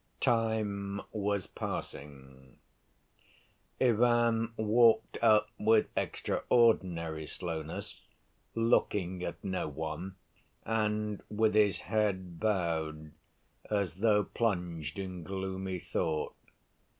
Time was passing. Ivan walked up with extraordinary slowness, looking at no one, and with his head bowed, as though plunged in gloomy thought.